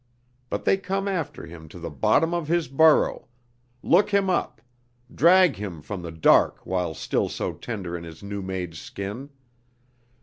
But they come after him to the bottom of his burrow, look him up, drag him from the dark while still so tender in his new made skin.